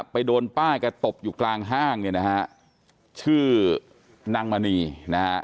ไปโดนป้าแกตบอยู่กลางห้างเนี่ยนะฮะชื่อนางมณีนะฮะ